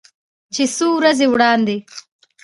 چې څو ورځې وړاندې